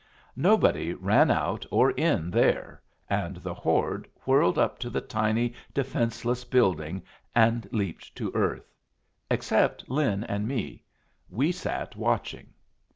Nobody ran out or in there, and the horde whirled up to the tiny, defenceless building and leaped to earth except Lin and me; we sat watching.